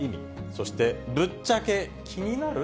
そして、ぶっちゃけ、気になる？